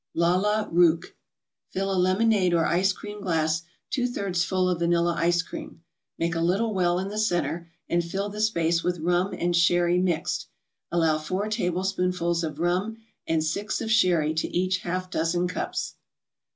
LALLA ROOKH Fill a lemonade or ice cream glass two thirds full of vanilla ice cream. Make a little well in the centre and fill the space with rum and sherry mixed. Allow four tablespoonfuls of rum and six of sherry to each half dozen cups.